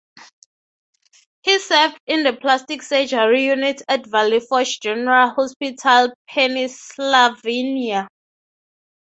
He served in the plastic surgery unit at Valley Forge General Hospital in Pennsylvania.